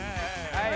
はい！